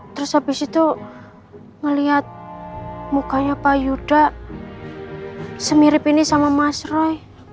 terus habis itu ngeliat mukanya pak yuda semirip ini sama mas roy